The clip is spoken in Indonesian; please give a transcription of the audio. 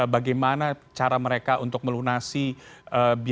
bagaimana cara mereka untuk melunasi biaya haji yang harus dipilih